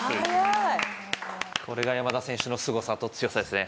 これが山田選手のすごさと強さですね